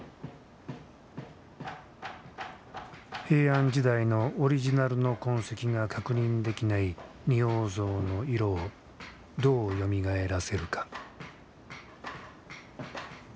平安時代のオリジナルの痕跡が確認できない仁王像の色をどうよみがえらせるか。